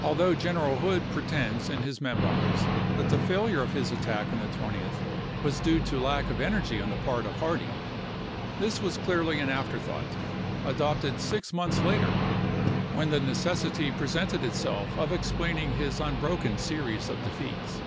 Although General Hood pretends in his me moirs that the failure of his attack on the 20th was «iavance due to lack of energy on the part of Hardee, this Retreat," was clearly an afterthought, adopted six months p' later, when the necessity presented itself of explain ing his unbroken series of defeats.